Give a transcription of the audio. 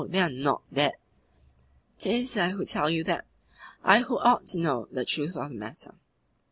They are NOT dead. 'Tis I who tell you that I who ought to know the truth of the matter.